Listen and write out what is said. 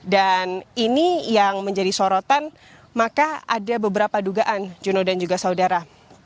dan ini yang menjadi sorotan maka ada beberapa dugaan juno dan juga saudara